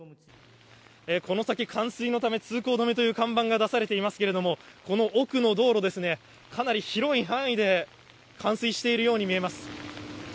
この先、冠水のため通行止めという看板が出されていますけれども、この奥の道路ですね、かなり広い範囲で冠水しているように見えます。